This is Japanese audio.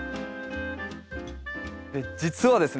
実はですね